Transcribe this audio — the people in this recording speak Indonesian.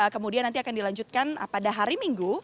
kemudian nanti akan dilanjutkan pada hari minggu